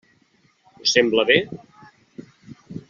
Us sembla bé?